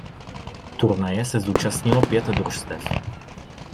Turnaje se zúčastnilo pět družstev.